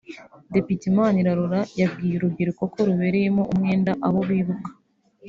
Depite Manirarora yabwiye urubyiruko ko rubereyemo umwenda abo bibuka